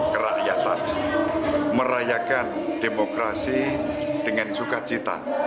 kerakyatan merayakan demokrasi dengan sukacita